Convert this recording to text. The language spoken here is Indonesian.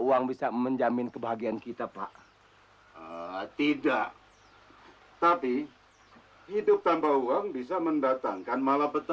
uang bisa menjamin kebahagiaan kita pak tidak tapi hidup tanpa uang bisa mendatangkan malapeta